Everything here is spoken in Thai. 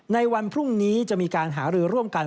ในวันพรุ่งนี้จะมีการหารือร่วมกัน